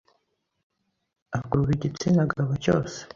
ukurura igitsina gabo cyose,